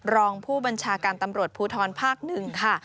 รองผู้บัญชาการตำรวจภูทรภาค๑ค่ะ